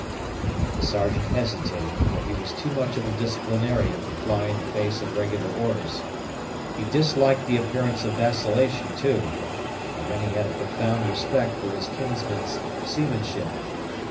The Sergeant hesitated, for he was too much of a disciplinarian to fly in the face of regular orders. He disliked the appearance of vacillation, too; and then he had a profound respect for his kinsman's seamanship.